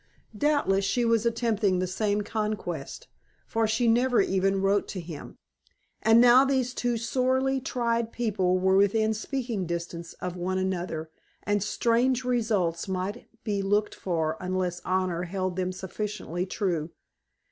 Doubtless she was attempting the same conquest, for she never even wrote to him. And now these two sorely tried people were within speaking distance of one another, and strange results might be looked for unless honor held them sufficiently true.